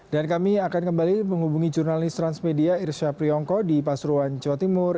dan kami akan kembali menghubungi jurnalis transmedia irsya priyongko di pasruan jawa timur